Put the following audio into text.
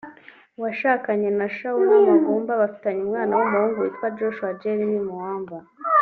washakanye na Shauna Magunda bafitanye umwana w’umuhungu witwa Joshua Jeremiah Muamba